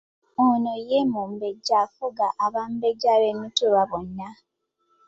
Ono ye mumbejja afuga abambejja ab’emituba bonna.